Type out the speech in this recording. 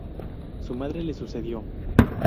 Su madre le sucedió.